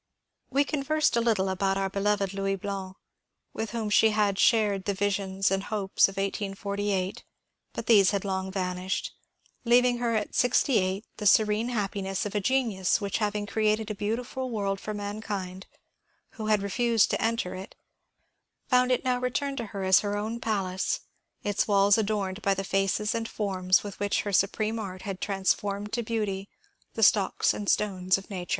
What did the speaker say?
We conversed a little about our beloved Louis Blanc, with whom she had shared the visions and hopes of 1848 ; but these had long vanished, — leaving her at sixty eight the serene happiness of a genius which hav ing created a beautiful world for mankind, who had refused to enter it, found it now returned to her as her own palace, its walls adorned by the faces and forms with which her su preme art had transformed to beauty the stocks and stones of nature.